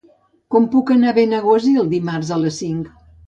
Com puc anar a Benaguasil dimarts a les cinc?